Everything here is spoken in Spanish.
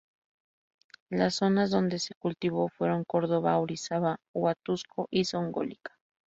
Las zonas donde se cultivó fueron Córdoba, Orizaba, Huatusco y Zongolica.